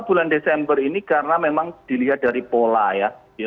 bulan desember ini karena memang dilihat dari pola ya